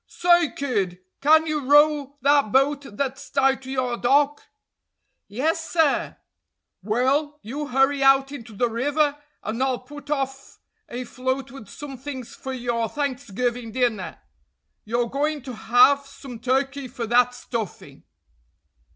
"Say, kid, can you row that boat that's tied to your dock?" "Yes, sir." "Well, you hurry out into the river, and I'll put off a float with some things for your Thanksgiving dinner. You're going to have some turkey for that stuffing."